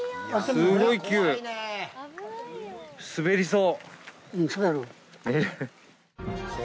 滑りそう。